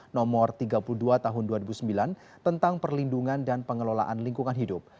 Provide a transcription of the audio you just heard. nomor tiga puluh dua tahun dua ribu sembilan tentang perlindungan dan pengelolaan lingkungan hidup